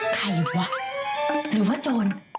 ใครวะหรือว่าโจร